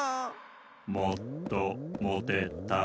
もっともてたい。